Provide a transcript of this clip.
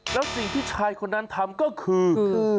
แล้วสิ่งที่ชายคนนั้นทำก็คือ